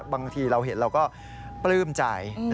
บางทีเราเห็นเราก็ปลื้มใจ